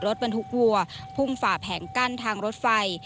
รถบรรทุกวัวพุ่งฝ่าแผงกั้นทางรถไฟ